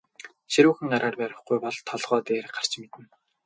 Ширүүхэн гараар барихгүй бол толгой дээр гарч мэднэ.